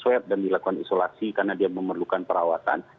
swab dan dilakukan isolasi karena dia memerlukan perawatan